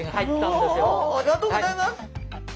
おおありがとうギョざいます。